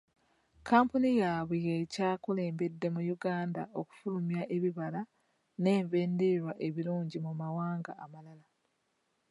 kkampuni yaabwe ye kyakulembedde mu Uganda okufulumya ebibala n'enva endiirwa ebirungi mu mawanga amalala.